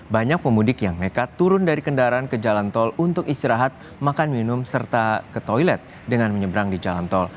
banyak pemudik yang nekat turun dari kendaraan ke jalan tol untuk istirahat makan minum serta ke toilet dengan menyeberang di jalan tol